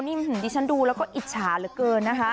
นี่ดิฉันดูแล้วก็อิจฉาเหลือเกินนะคะ